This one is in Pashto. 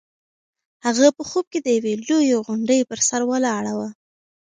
هغه په خوب کې د یوې لویې غونډۍ په سر ولاړه وه.